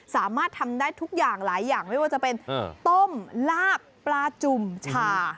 สามารถทำได้ทุกอย่างหลายอย่างไม่ว่าจะเป็นต้มลาบปลาจุ่มชา